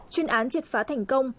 chuyên án triệt phá thành công